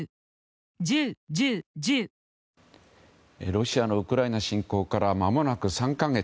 ロシアのウクライナ侵攻からまもなく３か月。